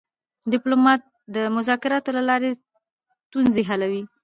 ډيپلومات د مذاکراتو له لارې ستونزې حلوي.